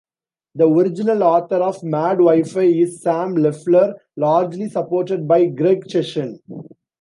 The original author of MadWifi is Sam Leffler, largely supported by Greg Chesson.